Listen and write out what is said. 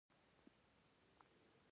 نو زمينداورو ته به چېرې راسره ولاړه سي.